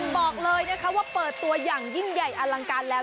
บอกเลยนะคะว่าเปิดตัวอย่างยิ่งใหญ่อลังการแล้ว